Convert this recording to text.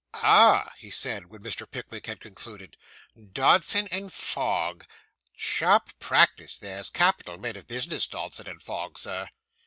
'Ah,' he said, when Mr. Pickwick had concluded, 'Dodson and Fogg sharp practice theirs capital men of business, Dodson and Fogg, sir.